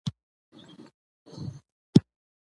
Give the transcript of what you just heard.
دوهم، دريمه او څلورمه وظيفه يې دفاعي وظيفي دي